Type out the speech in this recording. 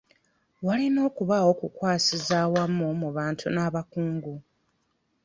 Walina okubaawo okukwasiza awamu mu bantu n'abakungu.